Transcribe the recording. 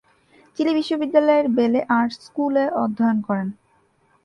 Chilli বিশ্ববিদ্যালয়ের বেলে আর্টস স্কুলে অধ্যয়ন করেন।